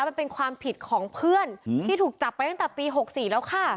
มันเป็นความผิดของเพื่อนที่ถูกจับไปตั้งแต่ปี๖๔แล้วค่ะ